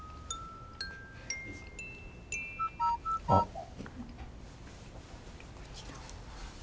あっ。